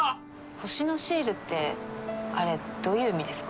星のシールってあれどういう意味ですか？